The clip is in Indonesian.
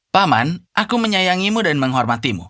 paman aku menyayangimu dan menghormatimu